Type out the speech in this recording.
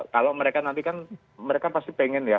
kalau mereka nanti kan mereka pasti pengen ya